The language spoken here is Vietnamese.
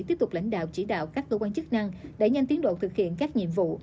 tiếp tục lãnh đạo chỉ đạo các cơ quan chức năng đẩy nhanh tiến độ thực hiện các nhiệm vụ